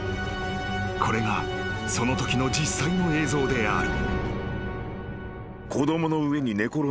［これがそのときの実際の映像である］